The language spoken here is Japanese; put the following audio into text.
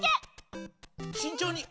慎重に。